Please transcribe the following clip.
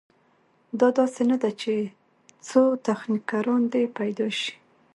دا داسې نه ده چې څو تخنیکران دې پیدا شي.